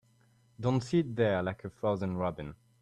Don't sit there like a frozen robin.